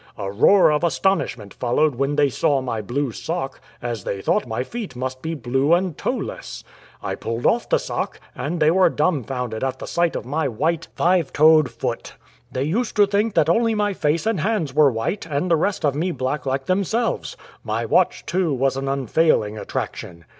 A roar of astonishment followed when they saw my blue sock, as they thought my feet must be blue and toeless. I pulled off the sock, and they were dumbfounded at the sight of my white, five 121 "TEEK, TEEK, TEEK" toed foot. Tliey used to think that only my face and hands were white, and the rest of me black like themselves. My watch, too, was an unfailing attraction.